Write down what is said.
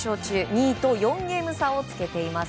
２位と４ゲーム差をつけています。